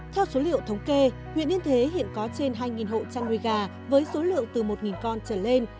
theo số liệu thống kê huyện yên thế hiện có trên hai hộ chăn nuôi gà với số lượng từ một con trở lên